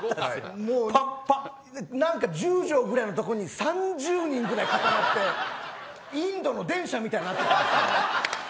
なんか１０畳ぐらいの所に３０人ぐらい固まってインドの電車みたいになってた。